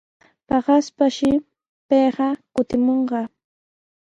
Paqaspashi payqa kutimunqa.